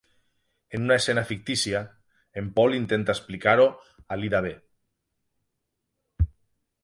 En una escena fictícia, en Paul intenta explicar-ho a l'Ida B.